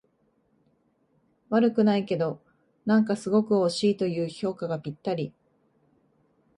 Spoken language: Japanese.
悪くないけど、なんかすごく惜しいという評価がぴったり